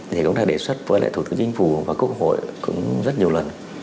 thì cũng đã đề xuất với lại thủ tướng chính phủ và quốc hội cũng rất nhiều lần